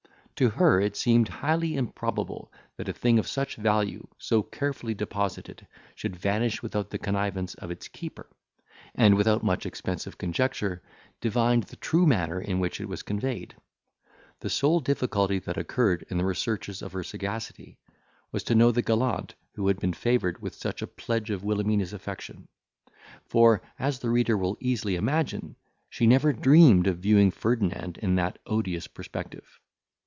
To her it seemed highly improbable, that a thing of such value, so carefully deposited, should vanish without the connivance of its keeper, and without much expense of conjecture, divined the true manner in which it was conveyed. The sole difficulty that occurred in the researches of her sagacity, was to know the gallant who had been favoured with such a pledge of Wilhelmina's affection; for, as the reader will easily imagine, she never dreamed of viewing Ferdinand in that odious perspective.